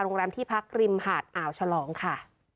โรงแรมที่พักริมหาดอ่าวฉลองค่ะ